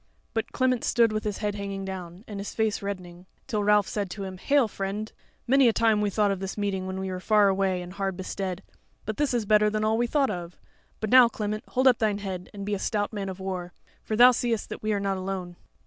But Clement stood with his head hanging down, and his face reddening. Till Ralph said to him: "Hail, friend! many a time we thought of this meeting when we were far away and hard bestead; but this is better than all we thought of. But now, Clement, hold up thine head and be a stout man of war, for thou seest that we are not alone."